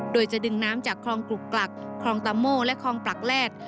โดยจะดึงน้ำจากคลองกลุกกลักคลองตะโม่และคลองปลักแลด